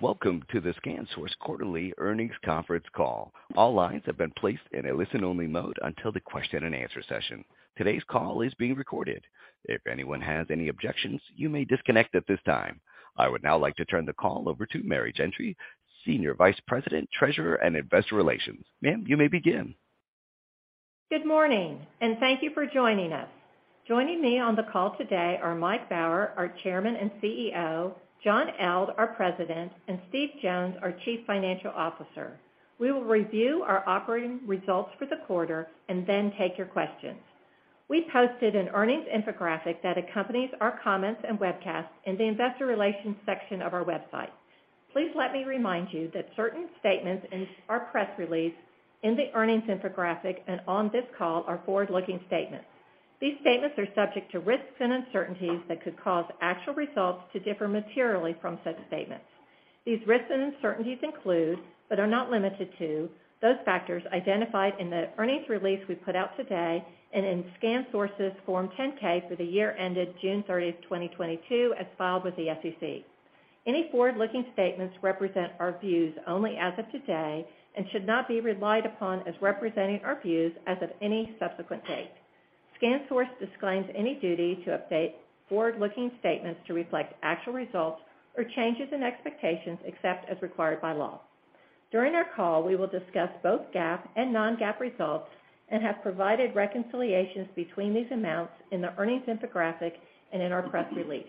Welcome to the ScanSource quarterly earnings conference call. All lines have been placed in a listen-only mode until the question and answer session. Today's call is being recorded. If anyone has any objections, you may disconnect at this time. I would now like to turn the call over to Mary Gentry, Senior Vice President, Treasurer, and Investor Relations. Ma'am, you may begin. Good morning. Thank you for joining us. Joining me on the call today are Mike Baur, our Chairman and CEO, John Eldh, our President, and Steve Jones, our Chief Financial Officer. We will review our operating results for the quarter and then take your questions. We posted an earnings infographic that accompanies our comments and webcast in the investor relations section of our website. Please let me remind you that certain statements in our press release, in the earnings infographic, and on this call are forward-looking statements. These statements are subject to risks and uncertainties that could cause actual results to differ materially from such statements. These risks and uncertainties include, but are not limited to, those factors identified in the earnings release we put out today and in ScanSource's Form 10-K for the year ended June 30th, 2022, as filed with the SEC. Any forward-looking statements represent our views only as of today and should not be relied upon as representing our views as of any subsequent date. ScanSource disclaims any duty to update forward-looking statements to reflect actual results or changes in expectations except as required by law. During our call, we will discuss both GAAP and non-GAAP results and have provided reconciliations between these amounts in the earnings infographic and in our press release.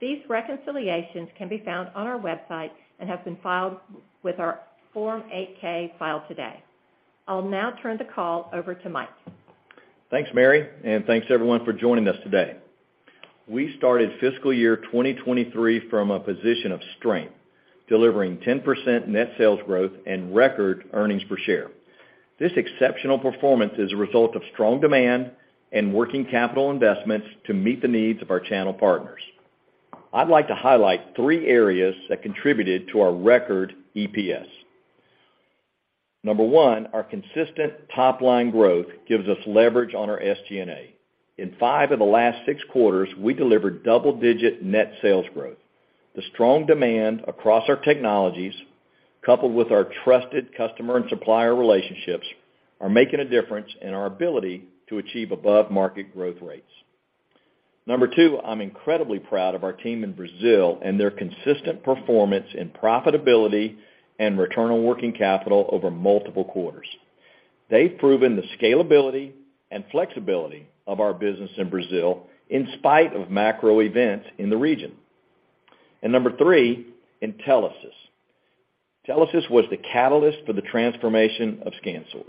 These reconciliations can be found on our website and have been filed with our Form 8-K filed today. I'll now turn the call over to Mike. Thanks, Mary. Thanks everyone for joining us today. We started fiscal year 2023 from a position of strength, delivering 10% net sales growth and record earnings per share. This exceptional performance is a result of strong demand and working capital investments to meet the needs of our channel partners. I'd like to highlight three areas that contributed to our record EPS. Number one, our consistent top-line growth gives us leverage on our SG&A. In five of the last six quarters, we delivered double-digit net sales growth. The strong demand across our technologies, coupled with our trusted customer and supplier relationships, are making a difference in our ability to achieve above-market growth rates. Number two, I'm incredibly proud of our team in Brazil and their consistent performance in profitability and return on working capital over multiple quarters. They've proven the scalability and flexibility of our business in Brazil in spite of macro events in the region. Number three, Intelisys. Intelisys was the catalyst for the transformation of ScanSource.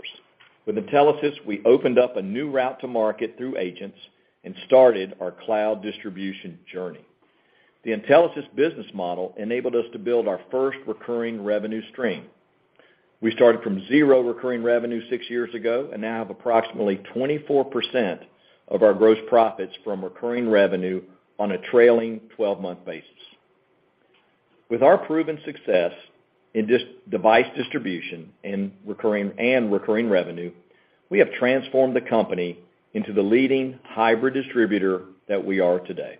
With Intelisys, we opened up a new route to market through agents and started our cloud distribution journey. The Intelisys business model enabled us to build our first recurring revenue stream. We started from zero recurring revenue six years ago and now have approximately 24% of our gross profits from recurring revenue on a trailing 12-month basis. With our proven success in device distribution and recurring revenue, we have transformed the company into the leading hybrid distributor that we are today.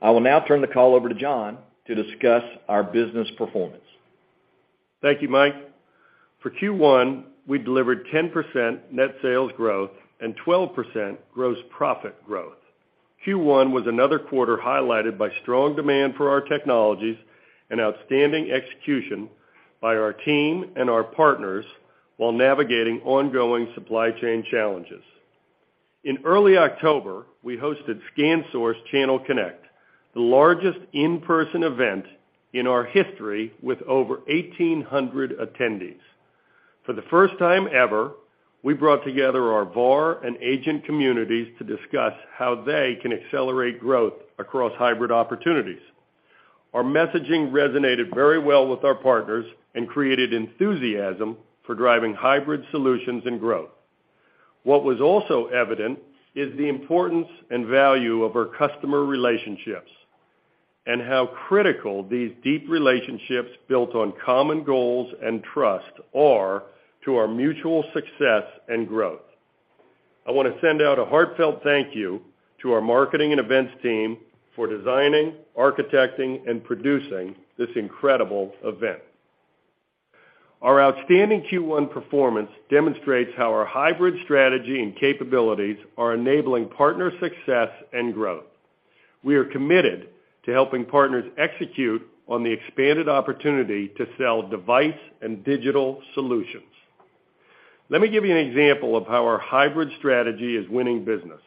I will now turn the call over to John to discuss our business performance. Thank you, Mike. For Q1, we delivered 10% net sales growth and 12% gross profit growth. Q1 was another quarter highlighted by strong demand for our technologies and outstanding execution by our team and our partners while navigating ongoing supply chain challenges. In early October, we hosted ScanSource Channel Connect, the largest in-person event in our history, with over 1,800 attendees. For the first time ever, we brought together our VAR and agent communities to discuss how they can accelerate growth across hybrid opportunities. Our messaging resonated very well with our partners and created enthusiasm for driving hybrid solutions and growth. What was also evident is the importance and value of our customer relationships and how critical these deep relationships built on common goals and trust are to our mutual success and growth. I want to send out a heartfelt thank you to our marketing and events team for designing, architecting, and producing this incredible event. Our outstanding Q1 performance demonstrates how our hybrid strategy and capabilities are enabling partner success and growth. We are committed to helping partners execute on the expanded opportunity to sell device and digital solutions. Let me give you an example of how our hybrid strategy is winning business.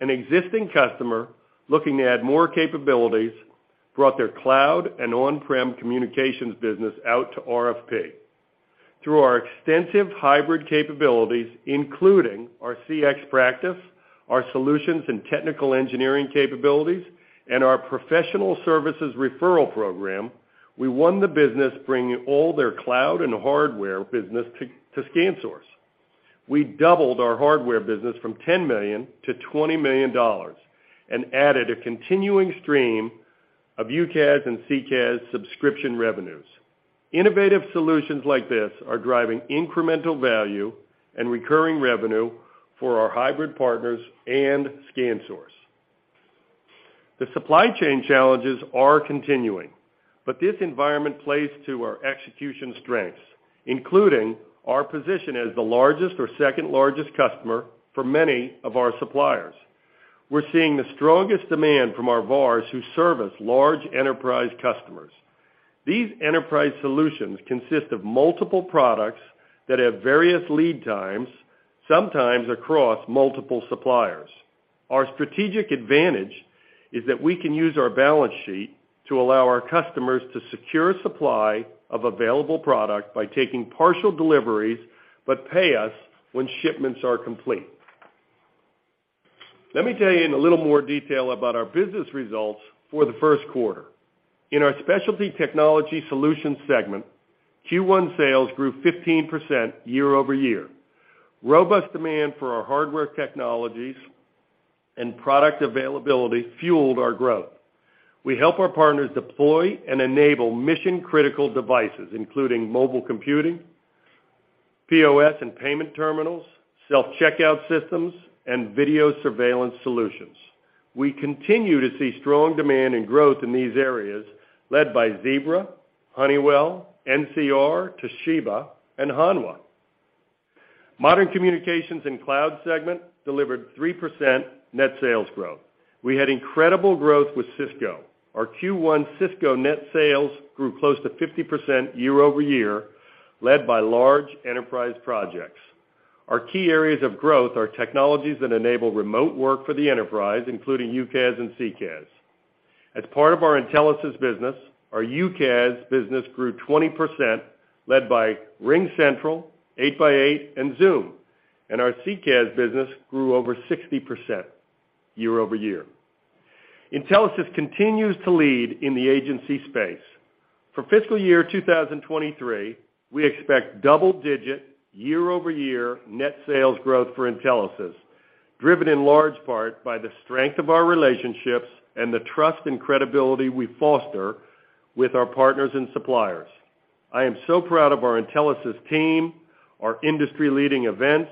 An existing customer looking to add more capabilities brought their cloud and on-prem communications business out to RFP. Through our extensive hybrid capabilities, including our CX practice, our solutions and technical engineering capabilities, and our professional services referral program, we won the business bringing all their cloud and hardware business to ScanSource. We doubled our hardware business from $10 million to $20 million and added a continuing stream of UCaaS and CCaaS subscription revenues. Innovative solutions like this are driving incremental value and recurring revenue for our hybrid partners and ScanSource. The supply chain challenges are continuing, but this environment plays to our execution strengths, including our position as the largest or second largest customer for many of our suppliers. We're seeing the strongest demand from our VARs who service large enterprise customers. These enterprise solutions consist of multiple products that have various lead times, sometimes across multiple suppliers. Our strategic advantage is that we can use our balance sheet to allow our customers to secure supply of available product by taking partial deliveries, but pay us when shipments are complete. Let me tell you in a little more detail about our business results for the first quarter. In our Specialty Technology Solutions segment, Q1 sales grew 15% year-over-year. Robust demand for our hardware technologies and product availability fueled our growth. We help our partners deploy and enable mission-critical devices, including mobile computing, POS and payment terminals, self-checkout systems, and video surveillance solutions. We continue to see strong demand and growth in these areas led by Zebra, Honeywell, NCR, Toshiba, and Hanwha. Modern Communications and Cloud segment delivered 3% net sales growth. We had incredible growth with Cisco. Our Q1 Cisco net sales grew close to 50% year-over-year, led by large enterprise projects. Our key areas of growth are technologies that enable remote work for the enterprise, including UCaaS and CCaaS. As part of our Intelisys business, our UCaaS business grew 20%, led by RingCentral, 8x8, and Zoom, and our CCaaS business grew over 60% year-over-year. Intelisys continues to lead in the agency space. For fiscal year 2023, we expect double-digit year-over-year net sales growth for Intelisys, driven in large part by the strength of our relationships and the trust and credibility we foster with our partners and suppliers. I am so proud of our Intelisys team, our industry-leading events,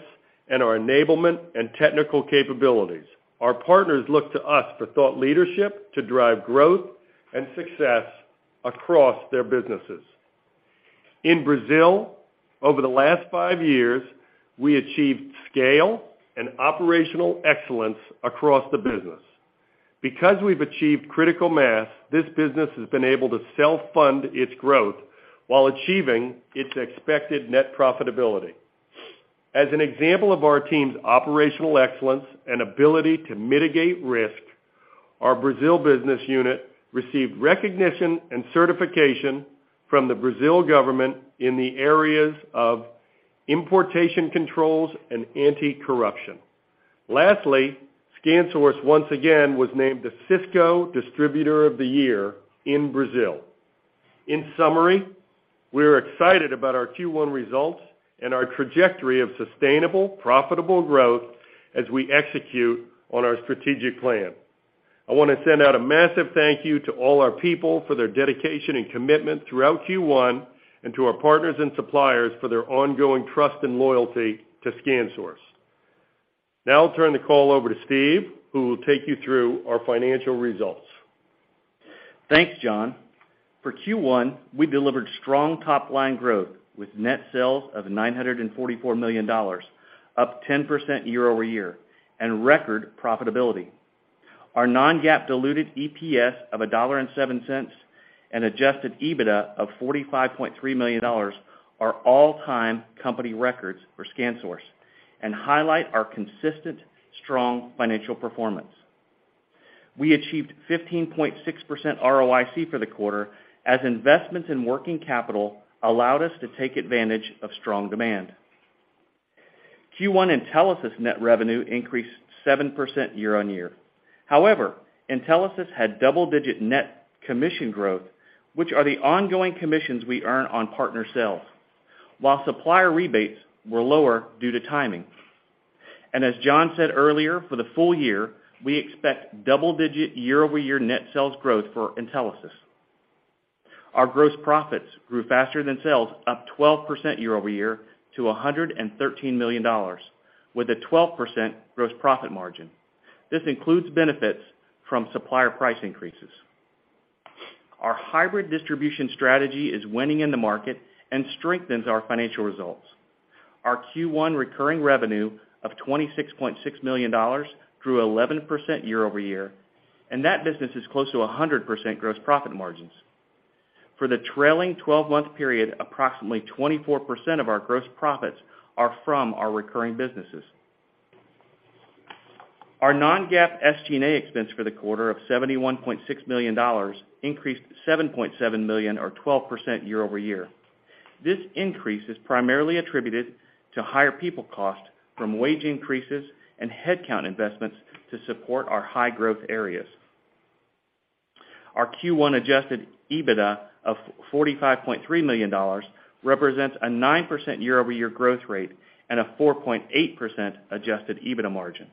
and our enablement and technical capabilities. Our partners look to us for thought leadership to drive growth and success across their businesses. In Brazil, over the last five years, we achieved scale and operational excellence across the business. We've achieved critical mass, this business has been able to self-fund its growth while achieving its expected net profitability. As an example of our team's operational excellence and ability to mitigate risk, our Brazil business unit received recognition and certification from the Brazil government in the areas of importation controls and anti-corruption. Lastly, ScanSource once again was named the Cisco Distributor of the Year in Brazil. In summary, we are excited about our Q1 results and our trajectory of sustainable, profitable growth as we execute on our strategic plan. I want to send out a massive thank you to all our people for their dedication and commitment throughout Q1, and to our partners and suppliers for their ongoing trust and loyalty to ScanSource. Now I'll turn the call over to Steve, who will take you through our financial results. Thanks, John. For Q1, we delivered strong top-line growth with net sales of $944 million, up 10% year-over-year, and record profitability. Our non-GAAP diluted EPS of $1.07 and adjusted EBITDA of $45.3 million are all-time company records for ScanSource and highlight our consistent, strong financial performance. We achieved 15.6% ROIC for the quarter, as investments in working capital allowed us to take advantage of strong demand. Q1 Intelisys net revenue increased 7% year on year. However, Intelisys had double-digit net commission growth, which are the ongoing commissions we earn on partner sales, while supplier rebates were lower due to timing. As John said earlier, for the full year, we expect double-digit year-over-year net sales growth for Intelisys. Our gross profits grew faster than sales, up 12% year-over-year to $113 million, with a 12% gross profit margin. This includes benefits from supplier price increases. Our hybrid distribution strategy is winning in the market and strengthens our financial results. Our Q1 recurring revenue of $26.6 million grew 11% year-over-year, and that business is close to 100% gross profit margins. For the trailing 12-month period, approximately 24% of our gross profits are from our recurring businesses. Our non-GAAP SG&A expense for the quarter of $71.6 million increased to $7.7 million, or 12% year-over-year. This increase is primarily attributed to higher people cost from wage increases and headcount investments to support our high growth areas. Our Q1 adjusted EBITDA of $45.3 million represents a 9% year-over-year growth rate and a 4.8% adjusted EBITDA margin.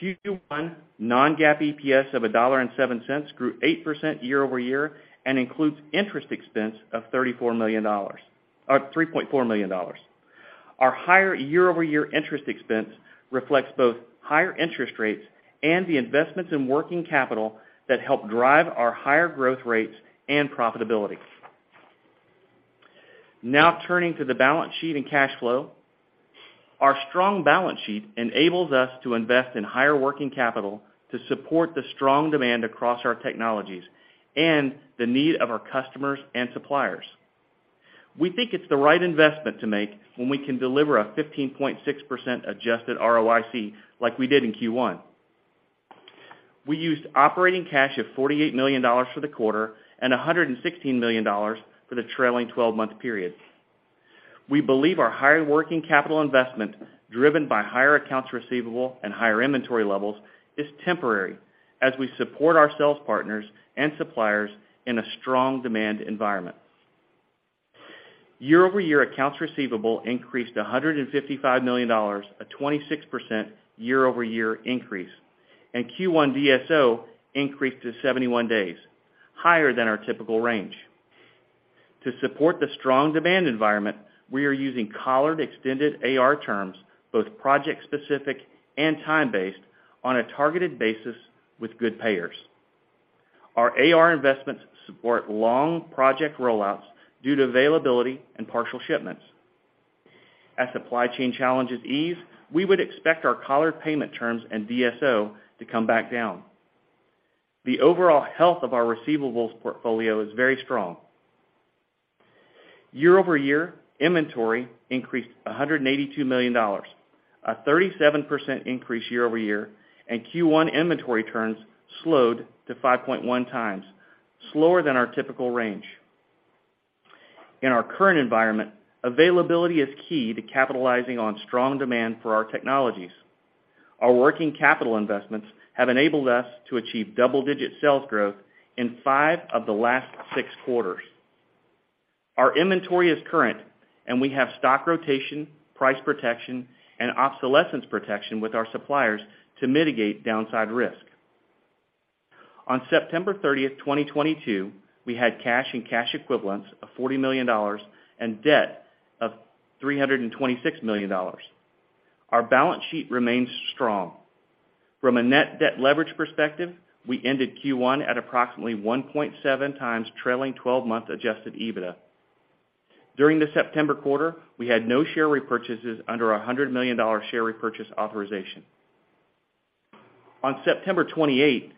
Q1 non-GAAP EPS of $1.07 grew 8% year-over-year and includes interest expense of $3.4 million. Our higher year-over-year interest expense reflects both higher interest rates and the investments in working capital that help drive our higher growth rates and profitability. Turning to the balance sheet and cash flow. Our strong balance sheet enables us to invest in higher working capital to support the strong demand across our technologies and the need of our customers and suppliers. We think it's the right investment to make when we can deliver a 15.6% adjusted ROIC like we did in Q1. We used operating cash of $48 million for the quarter and $116 million for the trailing 12-month period. We believe our higher working capital investment, driven by higher accounts receivable and higher inventory levels, is temporary as we support our sales partners and suppliers in a strong demand environment. Year-over-year accounts receivable increased to $155 million, a 26% year-over-year increase, and Q1 DSO increased to 71 days, higher than our typical range. To support the strong demand environment, we are using collared extended AR terms, both project specific and time-based, on a targeted basis with good payers. Our AR investments support long project rollouts due to availability and partial shipments. As supply chain challenges ease, we would expect our collared payment terms and DSO to come back down. The overall health of our receivables portfolio is very strong. Year-over-year, inventory increased $182 million, a 37% increase year-over-year, and Q1 inventory turns slowed to 5.1 times, slower than our typical range. In our current environment, availability is key to capitalizing on strong demand for our technologies. Our working capital investments have enabled us to achieve double-digit sales growth in five of the last six quarters. Our inventory is current, and we have stock rotation, price protection, and obsolescence protection with our suppliers to mitigate downside risk. On September 30th, 2022, we had cash and cash equivalents of $40 million and debt of $326 million. Our balance sheet remains strong. From a net debt leverage perspective, we ended Q1 at approximately 1.7 times trailing 12-month adjusted EBITDA. During the September quarter, we had no share repurchases under our $100 million share repurchase authorization. On September 28th,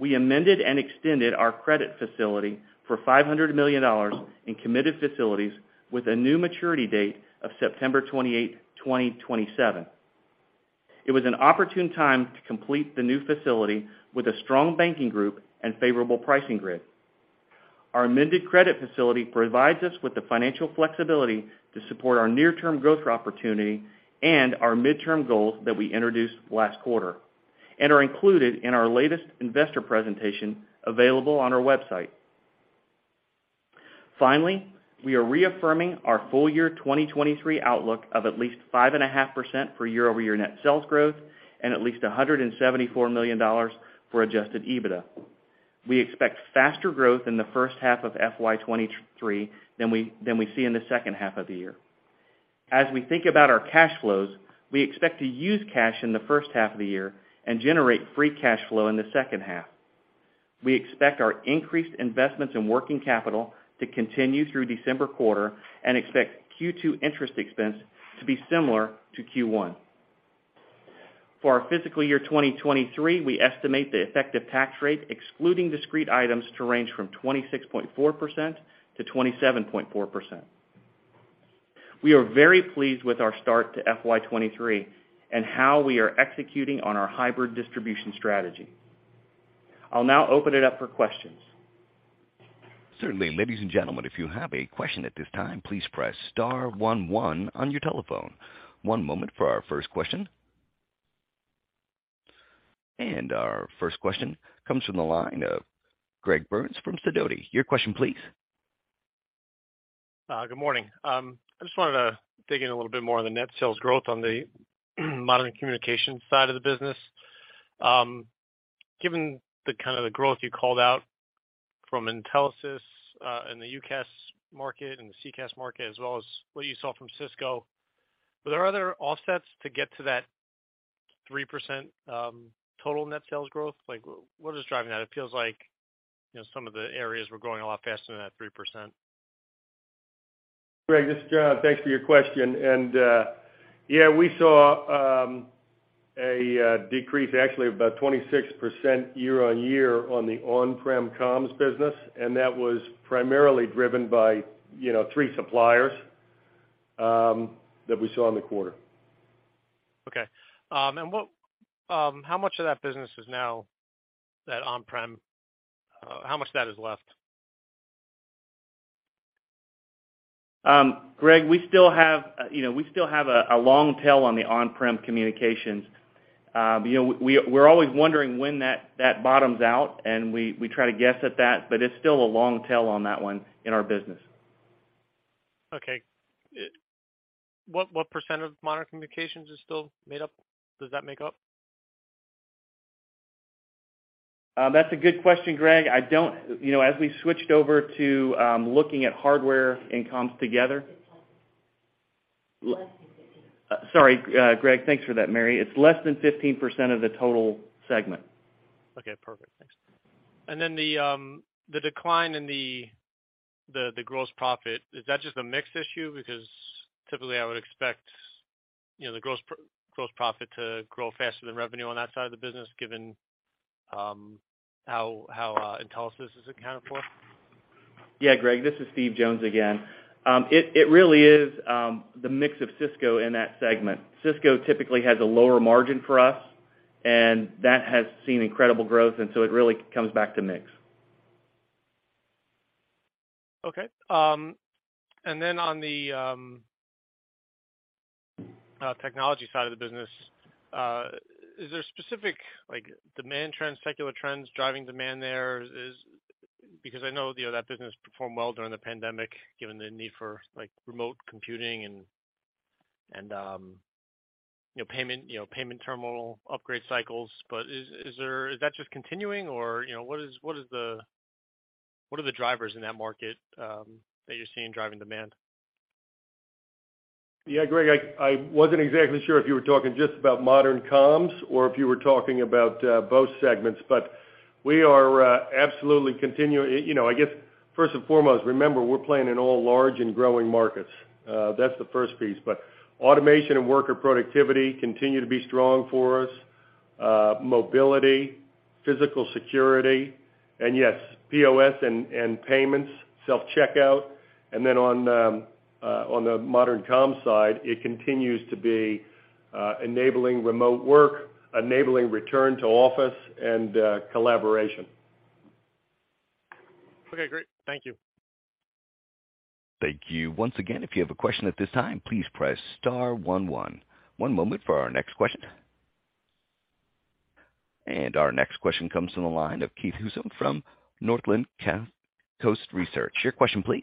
we amended and extended our credit facility for $500 million in committed facilities with a new maturity date of September 28th, 2027. It was an opportune time to complete the new facility with a strong banking group and favorable pricing grid. Our amended credit facility provides us with the financial flexibility to support our near-term growth opportunity and our midterm goals that we introduced last quarter and are included in our latest investor presentation available on our website. We are reaffirming our full year 2023 outlook of at least 5.5% for year-over-year net sales growth and at least $174 million for adjusted EBITDA. We expect faster growth in the first half of FY 2023 than we see in the second half of the year. As we think about our cash flows, we expect to use cash in the first half of the year and generate free cash flow in the second half. We expect our increased investments in working capital to continue through December quarter and expect Q2 interest expense to be similar to Q1. For our fiscal year 2023, we estimate the effective tax rate, excluding discrete items, to range from 26.4%-27.4%. We are very pleased with our start to FY 2023 and how we are executing on our hybrid distribution strategy. I'll now open it up for questions. Certainly. Ladies and gentlemen, if you have a question at this time, please press *11 on your telephone. One moment for our first question. Our first question comes from the line of Greg Burns from Sidoti. Your question please. Good morning. I just wanted to dig in a little bit more on the net sales growth on the Modern Communications side of the business. Given the growth you called out from Intelisys in the UCaaS market and the CCaaS market, as well as what you saw from Cisco, were there other offsets to get to that 3% total net sales growth? What is driving that? It feels like some of the areas were growing a lot faster than that 3%. Greg, this is John. Thanks for your question. Yeah, we saw a decrease, actually of about 26% year-over-year on the on-prem comms business, and that was primarily driven by three suppliers that we saw in the quarter. Okay. How much of that business is now that on-prem? How much of that is left? Greg, we still have a long tail on the on-prem communications. We're always wondering when that bottoms out, and we try to guess at that, but it's still a long tail on that one in our business. Okay. What % of Modern Communications does that make up? That's a good question, Greg. We switched over to looking at hardware and comms together. It's less than 15. Sorry, Greg, thanks for that, Mary. It's less than 15% of the total segment. Okay, perfect. Thanks. Then the decline in the gross profit, is that just a mix issue? Because typically I would expect the gross profit to grow faster than revenue on that side of the business, given how Intelisys is accounted for. Yeah, Greg, this is Steve Jones again. It really is the mix of Cisco in that segment. Cisco typically has a lower margin for us, and that has seen incredible growth, and so it really comes back to mix. Okay. Then on the technology side of the business, are there specific demand trends, secular trends, driving demand there? Because I know that business performed well during the pandemic, given the need for remote computing and payment terminal upgrade cycles. Is that just continuing, or what are the drivers in that market that you're seeing driving demand? Yeah, Greg, I wasn't exactly sure if you were talking just about Modern Comms or if you were talking about both segments, but we are absolutely continuing. I guess, first and foremost, remember, we're playing in all large and growing markets. That's the first piece. Automation and worker productivity continue to be strong for us. Mobility, physical security, and yes, POS and payments, self-checkout. Then on the Modern Comms side, it continues to be enabling remote work, enabling return to office, and collaboration. Okay, great. Thank you. Thank you. Once again, if you have a question at this time, please press star one one. One moment for our next question. Our next question comes from the line of Keith Housum from Northcoast Research. Your question, please.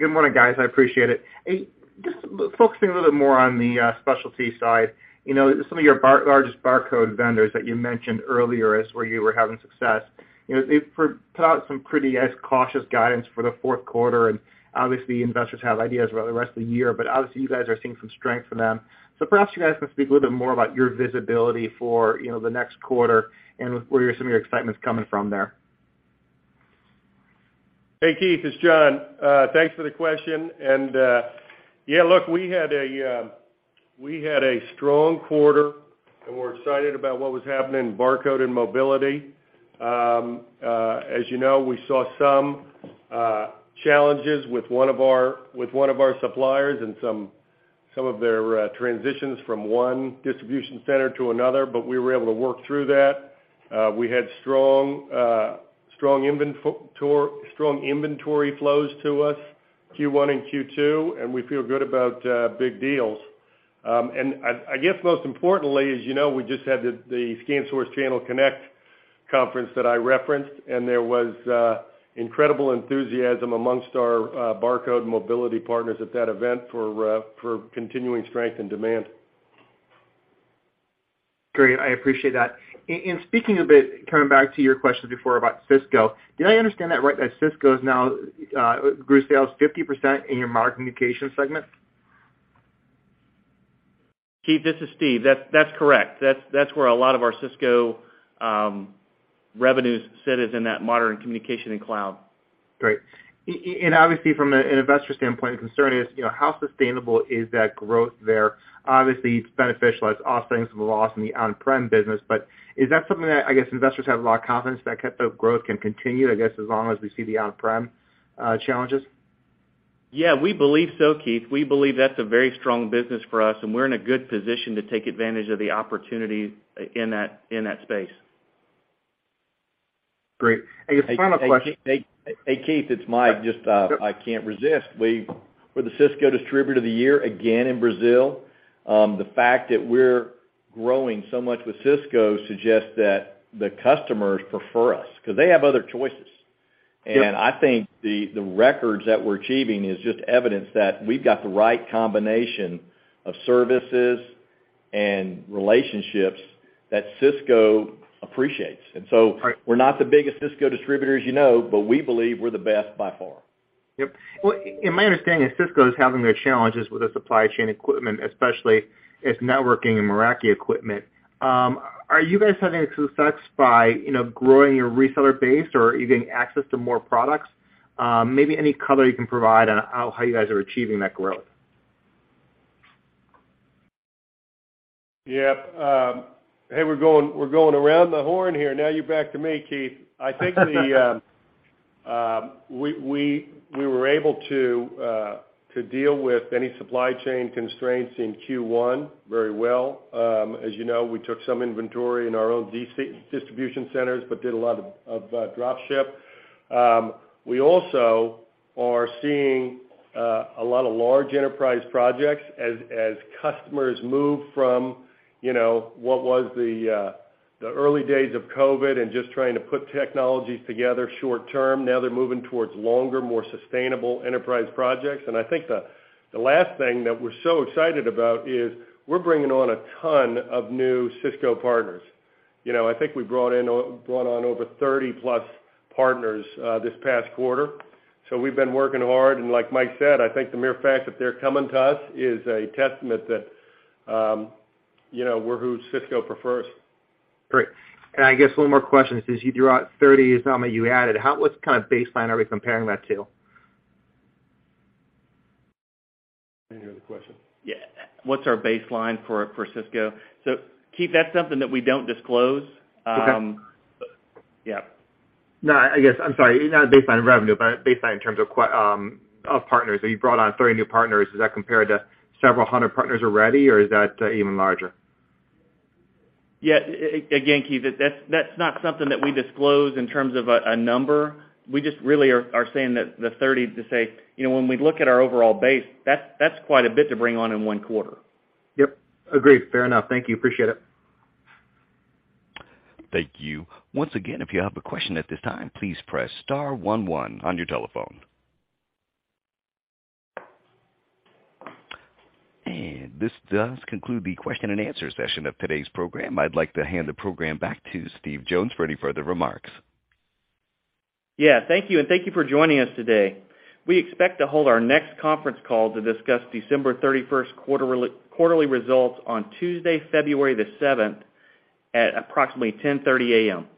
Good morning, guys. I appreciate it. Just focusing a little bit more on the Specialty side. Some of your largest barcode vendors that you mentioned earlier as where you were having success, they put out some pretty cautious guidance for the fourth quarter, obviously investors have ideas about the rest of the year, but obviously you guys are seeing some strength from them. Perhaps you guys can speak a little bit more about your visibility for the next quarter and where some of your excitement's coming from there. Hey, Keith, it's John. Thanks for the question. Look, we had a strong quarter, we're excited about what was happening in barcode and mobility. As you know, we saw some challenges with one of our suppliers and some of their transitions from one distribution center to another, we were able to work through that. We had strong inventory flows to us Q1 and Q2, we feel good about big deals. I guess most importantly, as you know, we just had the ScanSource Channel Connect conference that I referenced, there was incredible enthusiasm amongst our barcode mobility partners at that event for continuing strength and demand. Great. I appreciate that. Speaking a bit, coming back to your question before about Cisco, did I understand that right? That Cisco grew sales 50% in your Modern Communications segment? Keith, this is Steve. That's correct. That's where a lot of our Cisco revenue sit, is in that Modern Communications Cloud. Great. Obviously from an investor standpoint, the concern is how sustainable is that growth there? Obviously, it's beneficial. It's offsetting some loss in the on-prem business. Is that something that, I guess, investors have a lot of confidence that type of growth can continue, I guess, as long as we see the on-prem challenges? Yeah, we believe so, Keith. We believe that's a very strong business for us, and we're in a good position to take advantage of the opportunity in that space. Great. I guess final question. Hey, Keith, it's Mike. Just, I can't resist. We're the Cisco distributor of the year again in Brazil. The fact that we're growing so much with Cisco suggests that the customers prefer us, because they have other choices. Sure. I think the records that we're achieving is just evidence that we've got the right combination of services and relationships that Cisco appreciates. Right we're not the biggest Cisco distributor, as you know, but we believe we're the best by far. Yep. Well, my understanding is Cisco is having their challenges with the supply chain equipment, especially its networking and Meraki equipment. Are you guys having any success by growing your reseller base or are you getting access to more products? Maybe any color you can provide on how you guys are achieving that growth. Yep. Hey, we're going around the horn here. Now you're back to me, Keith. I think we were able to deal with any supply chain constraints in Q1 very well. As you know, we took some inventory in our own distribution centers, but did a lot of drop ship. We also are seeing a lot of large enterprise projects as customers move from what was the early days of COVID and just trying to put technologies together short term. Now they're moving towards longer, more sustainable enterprise projects. I think the last thing that we're so excited about is we're bringing on a ton of new Cisco partners. I think we brought on over 30-plus partners this past quarter. We've been working hard, and like Mike said, I think the mere fact that they're coming to us is a testament that we're who Cisco prefers. Great. I guess one more question, since you threw out 30 as how many you added, what kind of baseline are we comparing that to? I didn't hear the question. Yeah. What's our baseline for Cisco? Keith, that's something that we don't disclose. Okay. Yeah. I guess, I'm sorry, not baseline revenue, but baseline in terms of partners. You brought on 30 new partners. Is that compared to several hundred partners already, or is that even larger? Yeah. Again, Keith, that's not something that we disclose in terms of a number. We just really are saying the 30 to say when we look at our overall base, that's quite a bit to bring on in one quarter. Yep. Agreed. Fair enough. Thank you. Appreciate it. Thank you. Once again, if you have a question at this time, please press star one one on your telephone. This does conclude the question and answer session of today's program. I'd like to hand the program back to Steve Jones for any further remarks. Yeah. Thank you, and thank you for joining us today. We expect to hold our next conference call to discuss December 31st quarterly results on Tuesday, February the 7th at approximately 10:30 A.M.